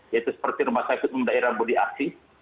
yaitu seperti rumah sakit di daerah budi asis